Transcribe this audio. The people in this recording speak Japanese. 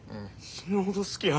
死ぬほど好きや。